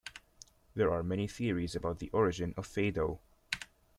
There are many theories about the origin of fado.